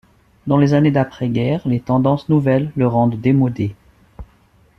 Dans les années d'après-guerre, les tendances nouvelles le rendent démodé.